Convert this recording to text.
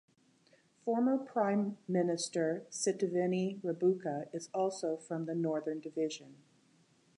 Former Prime Minister Sitiveni Rabuka is also from the Northern Division.